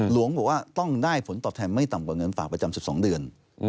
หลวงบอกว่าต้องได้ผลตอบแทนไม่ต่ำกว่าเงินฝากประจำ๑๒เดือน